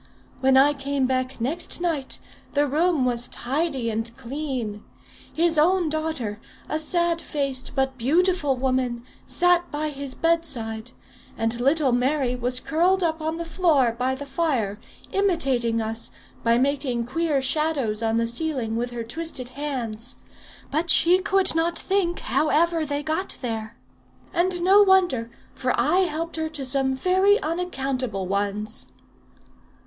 When I came back next night, the room was tidy and clean. His own daughter, a sad faced but beautiful woman, sat by his bedside; and little Mary was curled up on the floor by the fire, imitating us, by making queer shadows on the ceiling with her twisted hands. But she could not think how ever they got there. And no wonder, for I helped her to some very unaccountable ones."